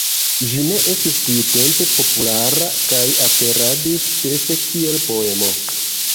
Ĝi ne estis tiutempe populara kaj aperadis ĉefe kiel poemo.